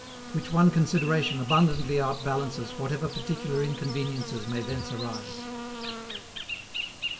Which one consideration abundantly outbalances whatever particular inconveniences may thence arise.